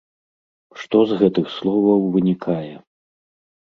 Што з гэтых словаў вынікае?